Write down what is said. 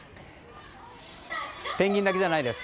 ペンギンだけじゃないです。